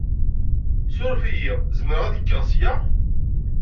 Suref-iyi. Zemreɣ ad kkeɣ s ya?